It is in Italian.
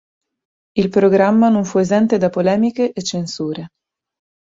Il programma non fu esente da polemiche e censure.